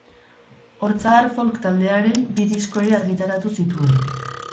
Ortzadar folk taldearen bi disko ere argitaratu zituen.